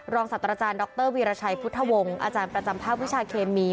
ศัตว์อาจารย์ดรวีรชัยพุทธวงศ์อาจารย์ประจำภาควิชาเคมี